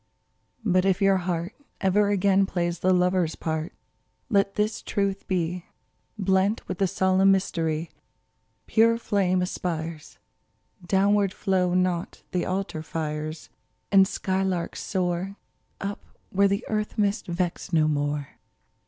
But if your heart Ever again plays the lover's part, Let this truth be Blent with the solemn mystery : Pure flame aspires ; Downward flow not the altar fires ; And skylarks soar Up where the earth mists vex no more.